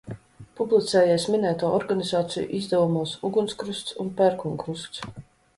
Publicējies minēto organizāciju izdevumos Ugunskrusts un Pērkonkrusts.